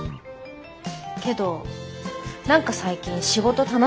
けど何か最近仕事楽しくない？